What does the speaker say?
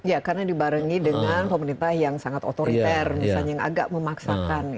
ya karena dibarengi dengan pemerintah yang sangat otoriter misalnya yang agak memaksakan